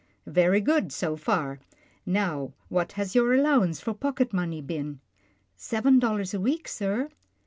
" Very good, so far — now what has your allow : ance for pocket money been ?"" Seven dollars a week, sir."